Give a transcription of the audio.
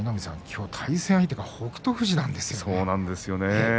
今日、対戦相手が北勝富士なんですよね。